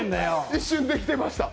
一瞬できてました。